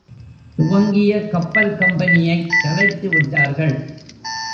துவங்கிய கப்பல் கம்பெனியைக் கலைத்து விட்டார்கள்.